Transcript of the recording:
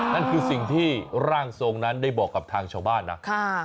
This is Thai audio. นั่นคือสิ่งที่ร่างทรงนั้นได้บอกกับทางชาวบ้านนะ